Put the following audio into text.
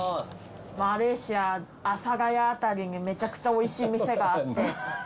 マレーシア阿佐谷辺りにめちゃくちゃおいしい店があって。